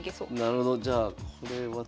なるほどじゃあこれは取る。